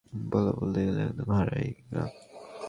বাইরের পুরুষ মানুষের সঙ্গে কথা বলা বলতে গেলে একদম হারাম ছিল।